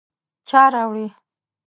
_چا راوړې ؟